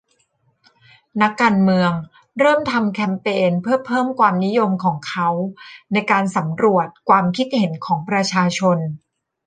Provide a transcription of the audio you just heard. นักการเมืองเริ่มทำแคมเปญเพื่อเพิ่มความนิยมของเขาในการสำรวจความคิดเห็นของประชาชน